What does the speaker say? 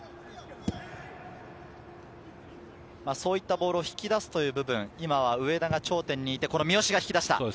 そういったボールを引き出すという部分、今は上田が頂点にいてこの三好が引き出した。